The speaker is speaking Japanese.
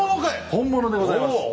本物でございます。